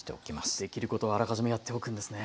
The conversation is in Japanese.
できることはあらかじめやっておくんですね。